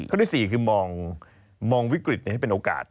ที่๔คือมองวิกฤตให้เป็นโอกาส